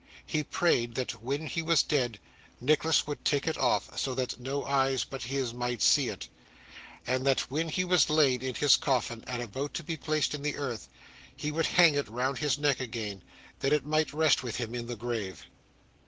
He prayed that, when he was dead, Nicholas would take it off, so that no eyes but his might see it, and that when he was laid in his coffin and about to be placed in the earth, he would hang it round his neck again, that it might rest with him in the grave.